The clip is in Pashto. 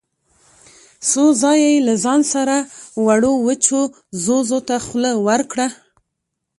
څو ځايه يې له ځان سره وړو وچو ځوځو ته خوله ورکړه.